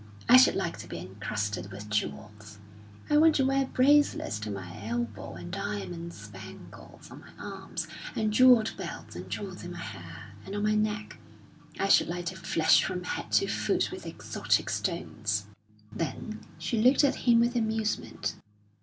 I should like to be encrusted with jewels. I want to wear bracelets to my elbow and diamond spangles on my arms; and jewelled belts, and jewels in my hair, and on my neck. I should like to flash from head to foot with exotic stones." Then she looked at him with amusement.